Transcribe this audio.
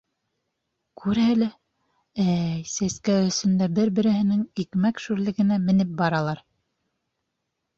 Күр әле, әй, сәскә өсөн дә бер-береһенең икмәк шүрлегенә менеп баралар.